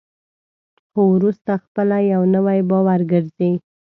خو وروسته خپله یو نوی باور ګرځي.